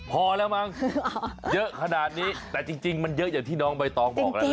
พอแล้วมั้งเยอะขนาดนี้แต่จริงมันเยอะอย่างที่น้องใบตองบอกแล้วนะ